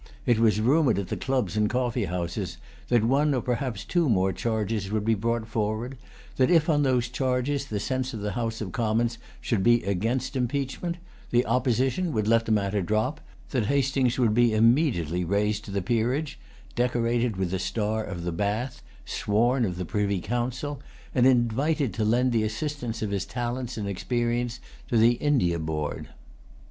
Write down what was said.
It was rumored at the clubs and coffee houses that one or perhaps two more charges would be brought forward, that if, on those charges, the sense of the House of Commons should be[Pg 216] against impeachment, the Opposition would let the matter drop, that Hastings would be immediately raised to the peerage, decorated with the star of the Bath, sworn of the Privy Council, and invited to lend the assistance of his talents and experience to the India board.